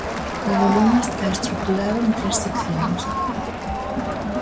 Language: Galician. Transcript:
O volume está estruturado en tres seccións.